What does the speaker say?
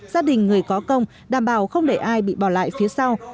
gia đình người có công đảm bảo không để ai bị bỏ lại phía sau